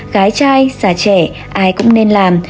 gái trai già trẻ ai cũng nên làm